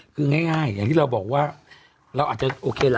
คือง่ายอย่างที่เราบอกว่าเราอาจจะโอเคล่ะ